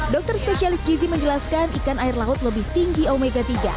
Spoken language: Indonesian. dokter spesialis gizi menjelaskan ikan air laut lebih tinggi omega tiga